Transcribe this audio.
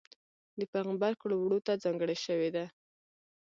د پېغمبر کړو وړوته ځانګړې شوې ده.